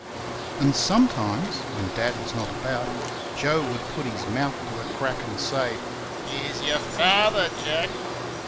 And sometimes when Dad was not about Joe would put his mouth to a crack and say: "Here's y'r FATHER, Jack!"